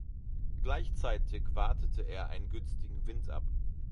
Gleichzeitig wartete er einen günstigen Wind ab.